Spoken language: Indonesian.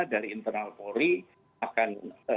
dari internal polri akan